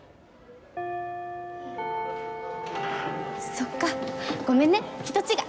そっかごめんね人違い！